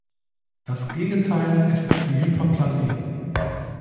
Das Gegenteil ist die Hyperplasie.